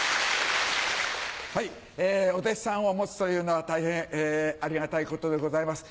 お弟子さんを持つというのは大変ありがたいことでございます。